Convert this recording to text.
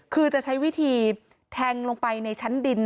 คือจะใช้วิธีแทงลงไปในชั้นดิน